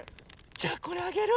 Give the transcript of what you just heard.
じゃこれあげる！